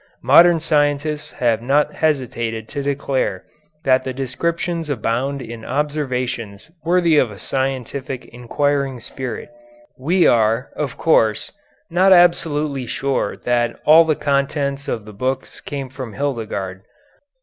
Modern scientists have not hesitated to declare that the descriptions abound in observations worthy of a scientific inquiring spirit. We are, of course, not absolutely sure that all the contents of the books come from Hildegarde.